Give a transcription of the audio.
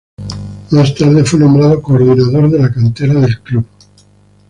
Más tarde, fue nombrado coordinador de la cantera del club.